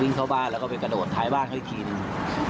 วิ่งเข้าบ้านแล้วก็ไปกระโดดถ่ายบ้านให้ทีนึง